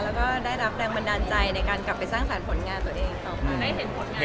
แล้วก็ได้รับแรงบันดาลใจในการกลับไปสร้างสารผลงานตัวเอง